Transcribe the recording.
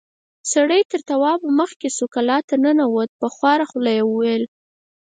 سړی تر توابه مخکې شو، کلا ته ننوت، په خواره خوله يې وويل: